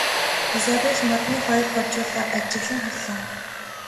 Изабель модны хоёр хожуулаа ажиглан харлаа.